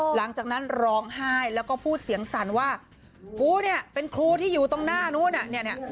หลังจากนั้นร้องไห้แล้วก็พูดเสียงสั่นว่ากูเนี่ยเป็นครูที่อยู่ตรงหน้านู้น